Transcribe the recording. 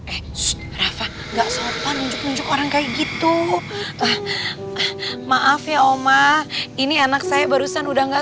eh rafa enggak sopan nunjuk nunjuk orang kayak gitu maaf ya oma ini anak saya barusan udah nggak